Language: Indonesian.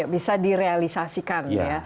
bisa direalisasikan ya